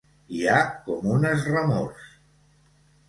Hi ha com unes remors.